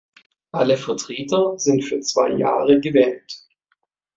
Alle Vertreter sind für zwei Jahre gewählt.